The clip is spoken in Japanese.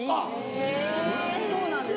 ・へぇ・そうなんです。